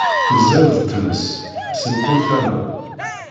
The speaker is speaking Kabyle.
Tezzi-d tmes, si mkul tama.